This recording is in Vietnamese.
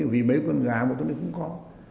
vì mấy con gà mà tất cả nó cũng có